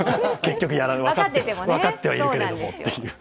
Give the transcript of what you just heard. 分かってはいるけれども。